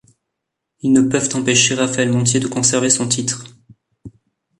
Ils ne peuvent empêcher Rafael Montiel de conserver son titre.